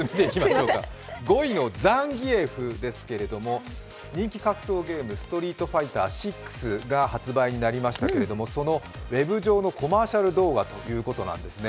５位のザンギエフですけれども人気格闘ゲーム「ストリートファイター６」が発売になりましたがそのウェブ上のコマーシャル動画ということなんですね。